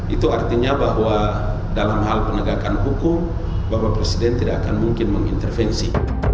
itu artinya bahwa dalam hal penegakan hukum bapak presiden tidak akan mungkin mengintervensi